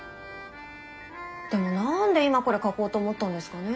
でも何で今これ書こうと思ったんですかね